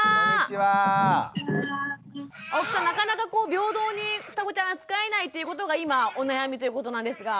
なかなかこう平等にふたごちゃん扱えないということが今お悩みということなんですが。